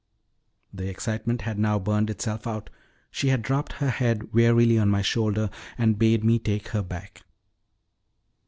The excitement had now burned itself out: she had dropped her head wearily on my shoulder, and bade me take her back.